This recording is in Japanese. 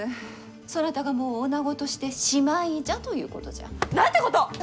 そなたがもうおなごとしてしまいじゃということじゃ。なんてことを！